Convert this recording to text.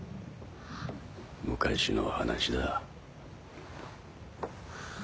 昔の話だ。